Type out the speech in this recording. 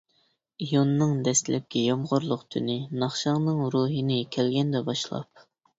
ئىيۇننىڭ دەسلەپكى يامغۇرلۇق تۈنى، ناخشاڭنىڭ روھىنى كەلگەندە باشلاپ.